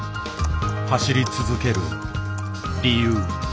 走り続ける理由。